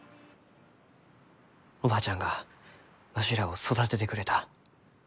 おばあちゃんがわしらを育ててくれた。